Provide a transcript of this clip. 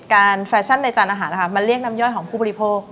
แฟชั่นในจานอาหารนะคะมันเรียกน้ำย่อยของผู้บริโภค